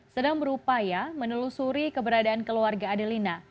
sedang berupaya menelusuri keberadaan keluarga adelina